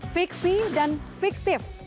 fiksi dan fiktif